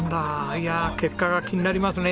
いや結果が気になりますね